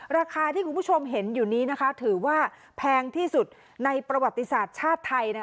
ราคาที่คุณผู้ชมเห็นอยู่นี้นะคะถือว่าแพงที่สุดในประวัติศาสตร์ชาติไทย